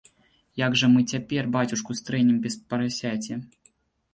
Як жа мы цяпер бацюшку стрэнем без парасяці?